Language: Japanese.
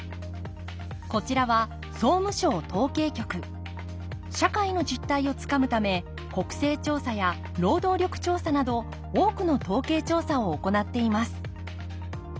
こちらは社会の実態をつかむため国勢調査や労働力調査など多くの統計調査を行っています